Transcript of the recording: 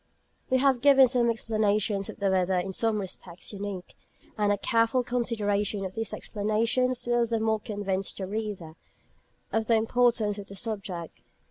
We have given some explanations of the weather in some respects unique; and a careful consideration of these explanations will the more convince the reader of the importance of the subject.